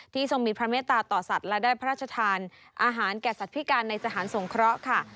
ทรงมีพระเมตตาต่อสัตว์และได้พระราชทานอาหารแก่สัตว์พิการในสถานสงเคราะห์ค่ะ